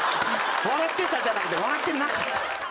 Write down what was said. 笑ってたじゃなくて笑ってなかった？